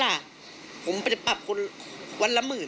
ถ้าเขาถูกจับคุณอย่าลืม